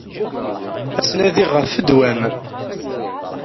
Ad tnadiɣ ɣef ddwa-m.